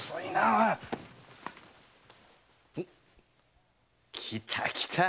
おっ来た来た！